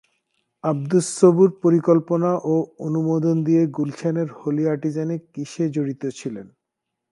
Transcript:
আবদুস সবুর পরিকল্পনা ও অনুমোদন দিয়ে গুলশানের হোলি আর্টিজানে কিসে জড়িত ছিলেন?